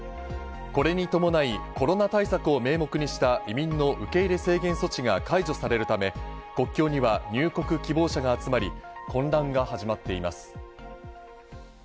これに伴い、コロナ対策を名目にした移民の受け入れ制限措置が解除されるため、国境には入国希望者が集まり、混乱が始まっています。